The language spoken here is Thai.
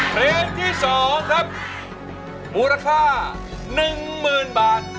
เพลงที่๒ครับมูลค่า๑๐๐๐บาท